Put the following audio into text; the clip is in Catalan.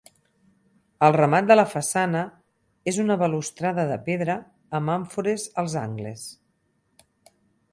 El remat de la façana és una balustrada de pedra amb àmfores als angles.